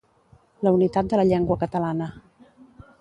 La unitat de la llengua catalana.